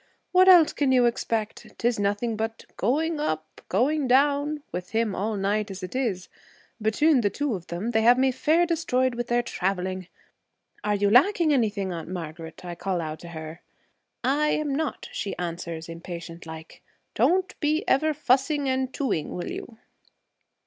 What else can you expect? 'Tis nothing but "Going up! going down!" with him all night as it is. Betune the two of them they have me fair destroyed with their traveling. "Are you lacking anything, Aunt Margaret?" I call out to her. "I am not," she answers, impatient like. "Don't be ever fussing and too ing, will you?"